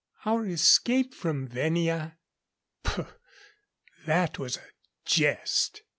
Our escape from Venia? Pouf! That was a jest.